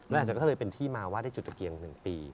และหามาแต่ก็เลยเป็นที่มาว่าได้จุดตะเกีียร์นึงปี